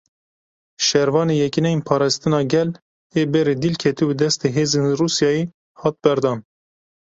Şervanê Yekîneyên Parastina Gel ê berê dîl ketibû destê hêzên Rûsyayê hat berdan.